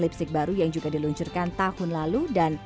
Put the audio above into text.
lipstick baru yang juga diluncurkan tahun lalu dan